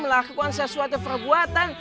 melakukan sesuatu perbuatan